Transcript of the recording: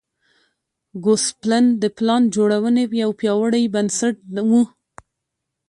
ګوسپلن د پلان جوړونې یو پیاوړی بنسټ و.